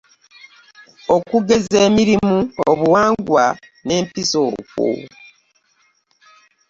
Okugeza emirimu obuwangwa nempisa okwo.